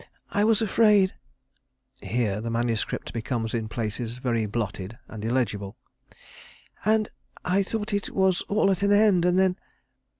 I was afraid.... [Here the MS. becomes in places very blotted and illegible.] ... and I thought it was all at an end, and then